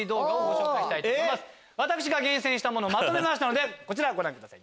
私が厳選したものをまとめましたこちらご覧ください